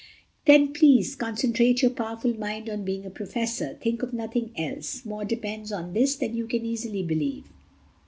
"Then please concentrate your powerful mind on being a Professor. Think of nothing else. More depends on this than you can easily believe."